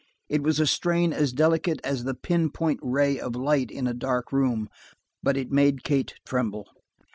It was a strain as delicate as a pin point ray of light in a dark room, but it made Kate tremble.